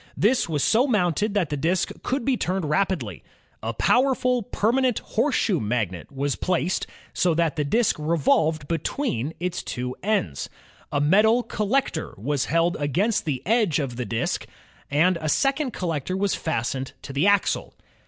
This was so mounted that the disk could be turned rapidly. A powerful permanent horseshoe magnet was placed so that the disk revolved between its two ends. A metal col lector was held against the edge of the disk, and a second collector was fastened to the axle.